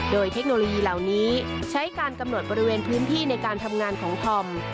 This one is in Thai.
โดยเทคโนโลยีเหล่านี้ใช้การกำหนดบริเวณพื้นที่ในการทำงานของธอม